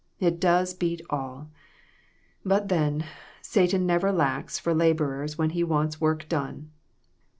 It does beat all ! But then, Satan never lacks for laborers when he wants work done.